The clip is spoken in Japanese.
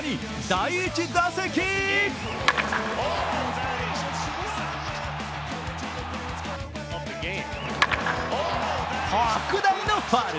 第１打席特大のファウル。